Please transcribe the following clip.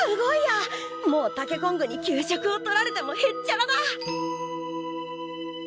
もうタケコングに給食を取られてもへっちゃらだ！